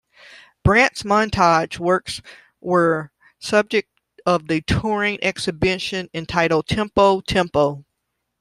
Brandt's montage works were subject of the touring exhibition entitled Tempo, Tempo!